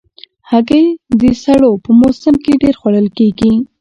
هګۍ د سړو په موسم کې ډېر خوړل کېږي.